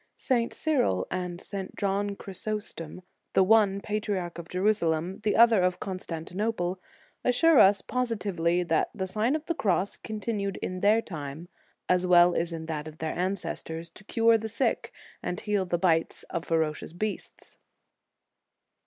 St. Cyril, arnd St. John Chrysostom, the one patriarch of Jeru salem, the other of Constantinople, assure us positively, that the Sign of the Cross continued in their time, as well as in that of their ancestors, to cure the sick, and heal the bites of ferocious beasts.